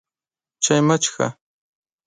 چای مه څښه!